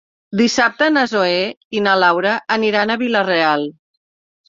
Dissabte na Zoè i na Laura aniran a Vila-real.